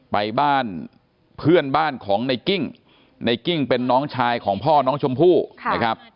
ไปบ้านเพื่อนบ้านของในกิ้งในกิ้งเป็นน้องชายของพ่อน้องชมพู่นะครับ